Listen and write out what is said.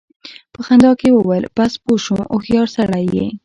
په خندا کې يې وويل: بس! پوه شوم، هوښيار سړی يې!